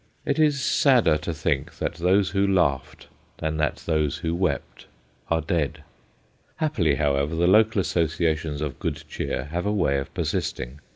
It is sadder to think that those who laughed, than that those who wept, are dead. Happily, however, the local associa tions of good cheer have a way of persisting.